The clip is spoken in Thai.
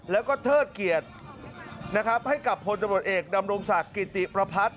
แล้วก็เทิดเกียรตินะครับให้กับพลตำรวจเอกดำรงศักดิ์กิติประพัฒน์